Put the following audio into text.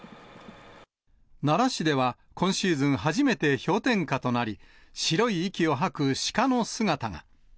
奈良市では、今シーズン初めて氷点下となり、白い息を吐くシカの姿が。